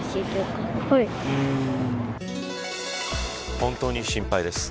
本当に心配です。